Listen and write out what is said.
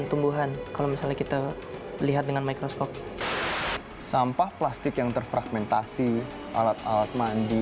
tumbuhan kalau misalnya kita lihat dengan mikroskop sampah plastik yang terfragmentasi alat alat mandi